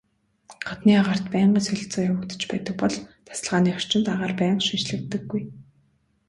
Гаднын агаарт байнгын солилцоо явагдаж байдаг бол тасалгааны орчинд агаар байнга шинэчлэгддэггүй.